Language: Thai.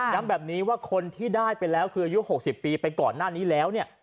แบบนี้ว่าคนที่ได้ไปแล้วคืออายุ๖๐ปีไปก่อนหน้านี้แล้วเนี่ย